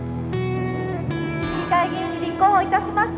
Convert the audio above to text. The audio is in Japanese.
「市議会議員に立候補いたしました